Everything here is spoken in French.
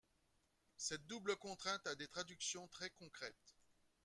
Cette double contrainte a des traductions très concrètes.